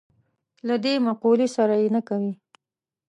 له دې مقولې سره یې نه کوي.